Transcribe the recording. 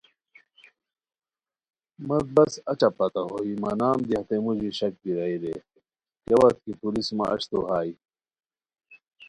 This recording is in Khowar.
مت بس اچہ پتہ ہوئے مہ نام دی ہتے موژی شاک بیرائے رے کیہ وت کی پولیس مہ اچتو ہائے